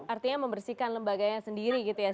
artinya membersihkan lembaganya sendiri gitu ya